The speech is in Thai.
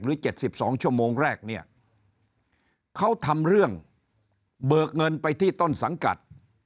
๗๒ชั่วโมงแรกเนี่ยเขาทำเรื่องเบิกเงินไปที่ต้นสังกัด